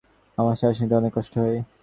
আমার শ্বাস নিতে অনেক কষ্ট হয়।